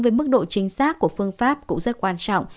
với mức độ chính xác của phương pháp cũng rất quan trọng